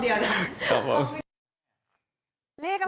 โอเคถัดได้รอบเดียวนะ